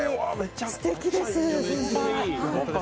すてきです、先輩。